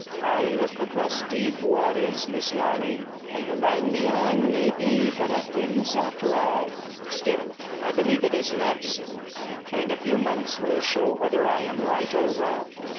I look across deep waters, Miss Lally, and the land beyond may be but a haze after all. But still I believe it is not so, and a few months will show whether I am right or wrong.'